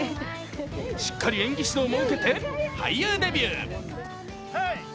しっかり演技指導も受けて俳優デビュー。